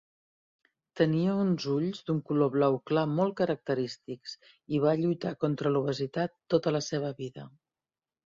Tenia uns ulls d'un color blau clar molt característics, i va lluitar contra l'obesitat tota la seva vida.